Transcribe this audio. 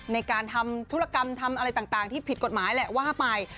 ในการทำธุรกรรมทำอะไรต่างที่ผิดกฎหมายแหละว่าไป